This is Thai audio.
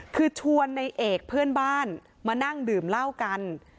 คือชวนในเอกเพื่อนบ้านมานั่งดื่มเหล้ากัน